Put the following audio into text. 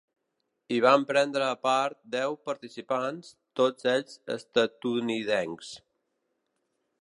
Hi van prendre part deu participants, tots ells estatunidencs.